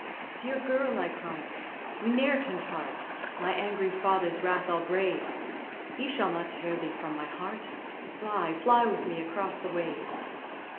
"Dear girl!" I cried, "we ne'er can part, My angry father's wrath I'll brave; He shall not tear thee from my heart. Fly, fly with me across the wave!"